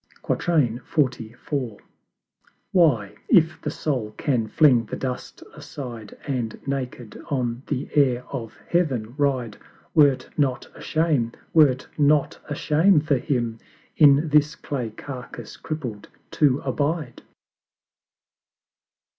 XLIV. Why, if the Soul can fling the Dust aside, And naked on the Air of Heaven ride, Were't not a Shame were't not a Shame for him In this clay carcass crippled to abide?